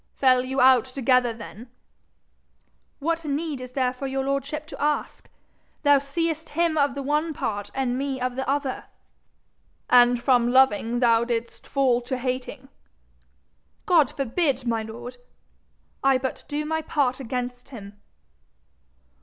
'Fell you out together then?' 'What need is there for your lordship to ask? Thou seest him of the one part, and me of the other.' 'And from loving thou didst fall to hating?' 'God forbid, my lord! I but do my part against him.'